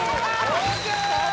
ＯＫ